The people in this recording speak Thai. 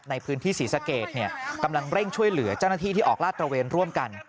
ในพื้นที่ศรีสะเกดกำลังเร่งช่วยเหลือเจ้าหน้าที่ที่ออกลาดตระเวนร่วมกัน